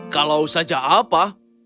kalau saja apa